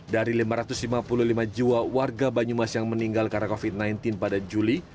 dari lima ratus lima puluh lima jiwa warga banyumas yang meninggal karena covid sembilan belas pada juli